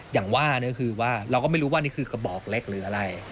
อย่างว่าคือว่าเราก็ไม่รู้ว่านี่คือกระบอกเล็กหรืออะไร